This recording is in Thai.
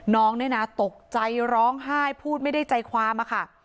น้องเนี่ยนะตกใจร้องไห้พูดไม่ได้ใจความอะค่ะ